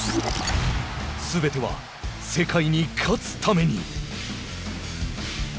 すべては世界に勝つために。